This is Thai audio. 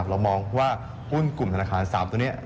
เรามองว่าหุ้นกลุ่มธนาคาร๓ตัวนี้